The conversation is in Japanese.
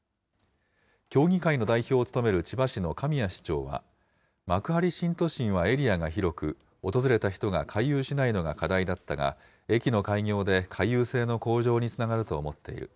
協議会の代表を務める千葉市の神谷市長は、幕張新都心はエリアが広く、訪れた人が回遊しないのが課題だったが、駅の開業で回遊性の向上につながると思っている。